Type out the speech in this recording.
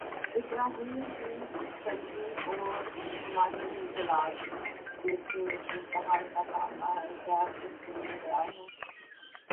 ابراہیمؑ کی صلبی اور معنوی اولاد، جسے امتحان کا سامنا ہے، کیا اس کے لیے تیار ہے؟